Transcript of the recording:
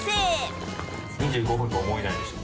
２５分とは思えないでしょ？